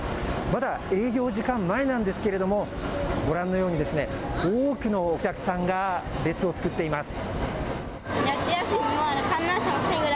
まだ営業時間前なんですけれどもご覧のように多くのお客さんが列を作っています。